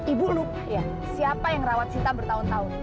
ibu lupa ya siapa yang rawat sita bertahun tahun